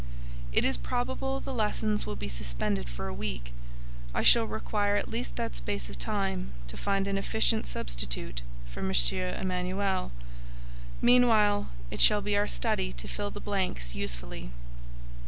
"It is probable the lessons will be suspended for a week. I shall require at least that space of time to find an efficient substitute for M. Emanuel. Meanwhile, it shall be our study to fill the blanks usefully.